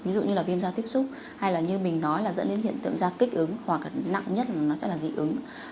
ví dụ như là viêm da tiếp xúc hay là như mình nói là dẫn đến hiện tượng da kích ứng hoặc là nặng nhất mà nó sẽ là dị ứng